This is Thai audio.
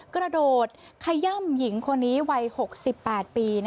กระโดดขย่ำหญิงคนนี้วัย๖๘ปี